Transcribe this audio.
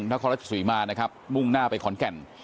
ถ้าเขาลักษณ์สุดยอดมานะครับมุ่งหน้าไปขอนแก่น